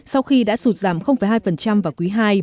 sau khi đã sụt giảm hai vào quý hai